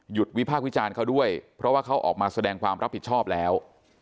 วิพากษ์วิจารณ์เขาด้วยเพราะว่าเขาออกมาแสดงความรับผิดชอบแล้ว